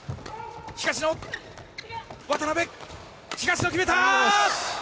東野、渡辺、東野、決めた！